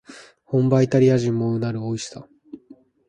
本場イタリア人もうなるおいしさ